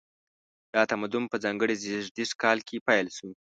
دا تمدن په ځانګړي زیږدیز کال کې پیل شو.